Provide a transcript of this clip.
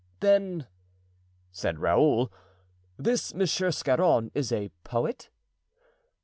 "Then," said Raoul, "this Monsieur Scarron is a poet?"